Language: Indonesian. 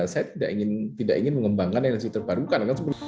saya tidak ingin mengembangkan energi terbarukan